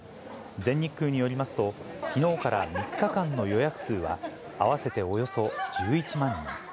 全日空によりますと、きのうから３日間の予約数は、合わせておよそ１１万人。